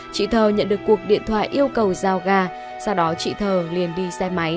chị thờ nhận được cuộc điện thoại yêu cầu giao gà sau đó chị thờ liền đi xe máy